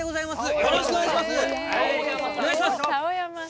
よろしくお願いします！